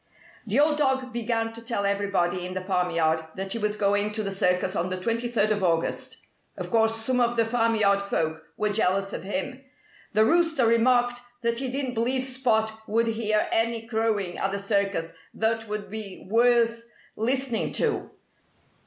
The old dog began to tell everybody in the farmyard that he was going to the circus on the twenty third of August. Of course some of the farmyard folk were jealous of him. The Rooster remarked that he didn't believe Spot would hear any crowing at the circus that would be worth listening to.